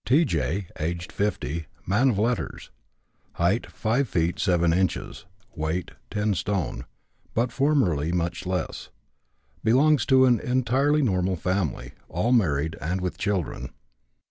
T.J., aged 50; man of letters. Height 5 feet 7 inches; weight 10 stone, but formerly much less. Belongs to an entirely normal family, all married and with children.